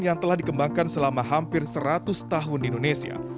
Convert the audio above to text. yang telah dikembangkan selama hampir seratus tahun di indonesia